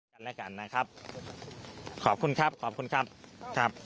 กันและกันนะครับขอบคุณครับขอบคุณครับครับ